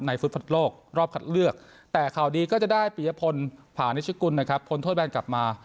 ฟุตโลกรอบคัดเลือกแต่ข่าวดีก็จะได้ปียพลผ่านนิชกุลนะครับพ้นโทษแบนกลับมา